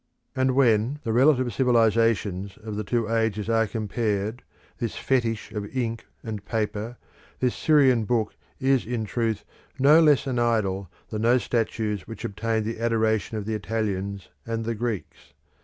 And when, the relative civilisations of the two ages are compared, this fetish of ink and paper, this Syrian book is, in truth, not less an idol than those statues which obtained the adoration of the Italians and the Greeks.